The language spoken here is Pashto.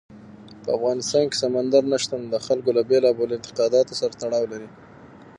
په افغانستان کې سمندر نه شتون د خلکو له بېلابېلو اعتقاداتو سره تړاو لري.